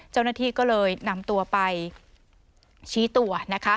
เจ้าหน้าที่ก็เลยนำตัวไปชี้ตัวนะคะ